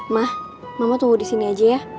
mah mama tunggu di sini aja ya